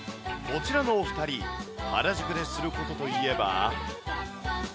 こちらのお２人、原宿ですることといえば。